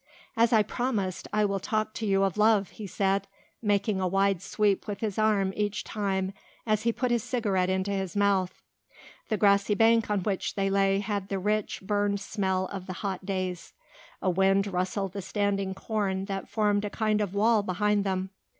"As I promised, I will talk to you of love," he said, making a wide sweep with his arm each time as he put his cigarette into his mouth. The grassy bank on which they lay had the rich, burned smell of the hot days. A wind rustled the standing corn that formed a kind of wall behind them.